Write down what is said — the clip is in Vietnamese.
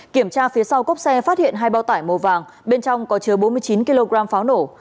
kiểm tra phía sau cốp xe phát hiện hai bao tải màu vàng bên trong có chứa bốn mươi chín kg pháo nổ